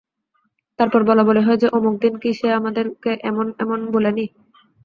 তারপর বলাবলি হয় যে, অমুক দিন কি সে আমাদেরকে এমন এমন বলেনি?